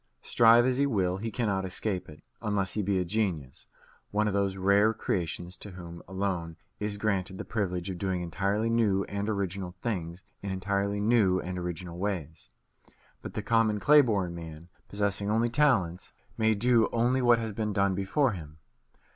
Strive as he will, he cannot escape it unless he be a genius, one of those rare creations to whom alone is granted the privilege of doing entirely new and original things in entirely new and original ways. But the common clay born man, possessing only talents, may do only what has been done before him.